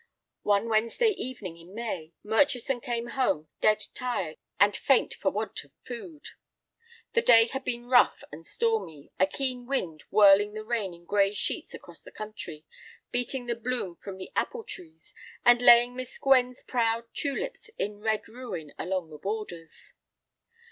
One Wednesday evening in May, Murchison came home dead tired and faint for want of food. The day had been rough and stormy, a keen wind whirling the rain in gray sheets across the country, beating the bloom from the apple trees, and laying Miss Gwen's proud tulips in red ruin along the borders.